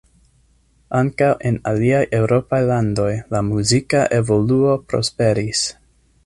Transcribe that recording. Ankaŭ en aliaj eŭropaj landoj la muzika evoluo prosperis.